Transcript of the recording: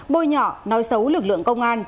bôi nhỏ nói xấu lực lượng công an